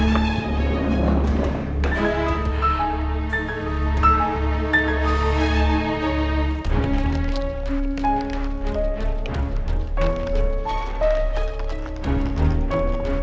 sampai jumpa di ruang klinik yang sama